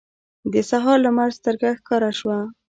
د سهار لمر سترګه ښکاره شوه.